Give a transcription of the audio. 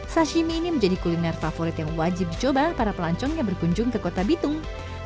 sashimi ini menjadi kuliner favorit yang wajib dicoba para pelancong yang berkunjung ke kota bitung